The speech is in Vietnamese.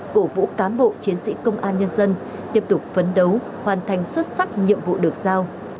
cổ vũ cán bộ chiến sĩ công an nhân dân tiếp tục phấn đấu hoàn thành xuất sắc nhiệm vụ được giao